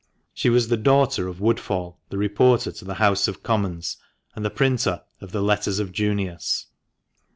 She was the daughter of Woodfall, the reporter to the House of Commons, and the printer of "The Letters of Junius."